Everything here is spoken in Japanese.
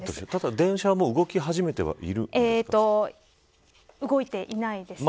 電車は動き始めてはいるんですか。